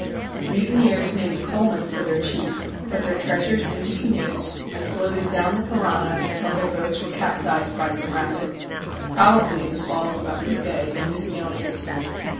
The mutineers named Colman for their chief, put their treasures into canoes, and floated down the Parana until their boats were capsized by some rapids, probably the falls of Apipe in Misiones.